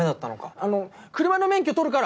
あの車の免許取るから！